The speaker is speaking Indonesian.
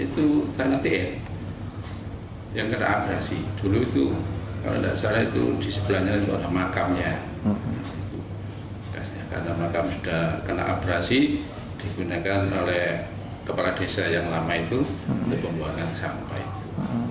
tpa tersebut digunakan oleh kepala desa yang lama itu untuk pembuangan sampah